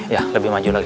ya lebih maju lagi